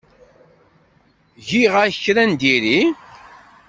Giɣ-ak kra n diri?